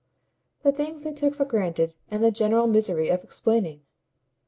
The things they took for granted and the general misery of explaining!